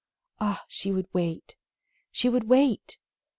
Ah, she would wait! She would wait!